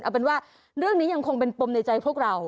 เอาเป็นว่าเรื่องนี้ยังคงเป็นปมในใจพวกเรา